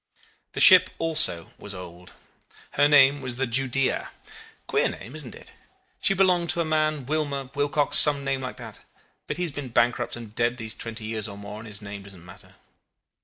"The ship also was old. Her name was the Judea. Queer name, isn't it? She belonged to a man Wilmer, Wilcox some name like that; but he has been bankrupt and dead these twenty years or more, and his name don't matter.